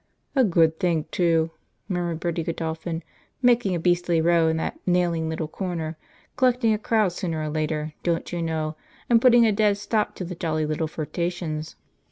"A good thing, too!" murmured Bertie Godolphin, "making a beastly row in that 'nailing' little corner, collecting a crowd sooner or later, don't you know, and putting a dead stop to the jolly little flirtations."